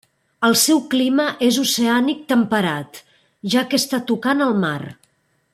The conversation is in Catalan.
El seu clima és oceànic temperat, ja que està tocant al mar.